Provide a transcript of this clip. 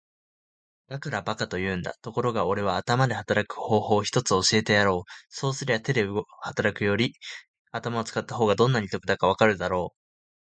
「だから馬鹿と言うんだ。ところがおれは頭で働く方法を一つ教えてやろう。そうすりゃ手で働くより頭を使った方がどんなに得だかわかるだろう。」